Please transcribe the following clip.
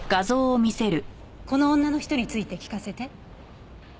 この女の人について聞かせて。